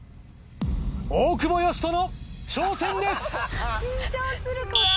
大久保嘉人の挑戦です！